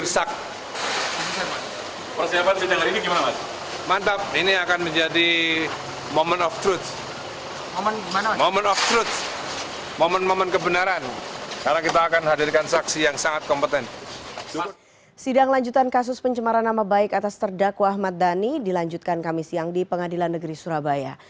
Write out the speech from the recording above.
sidang lanjutan kasus pencemaran nama baik atas terdakwa ahmad dhani dilanjutkan kami siang di pengadilan negeri surabaya